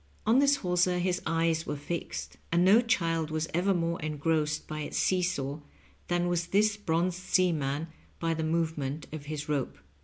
On this hawser his eyes were fixed, and no child was ever more engrossed by its see saw than was this bronzed seaman by the move ment of his rope.